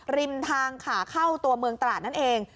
ริมทางขาเข้าตัวเมืองตราดนั่นเอง